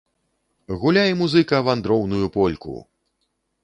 Гуляй, музыка, вандроўную польку!